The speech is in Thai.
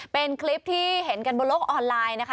เป็นคลิปที่เห็นกันบนโลกออนไลน์นะคะ